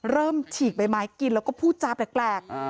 ฉีกใบไม้กินแล้วก็พูดจาแปลก